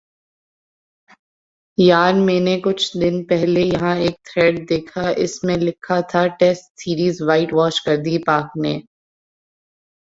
یار میں نے کچھ دن پہلے یہاں ایک تھریڈ دیکھا اس میں لکھا تھا ٹیسٹ سیریز وائٹ واش کر دی ہے پاک نے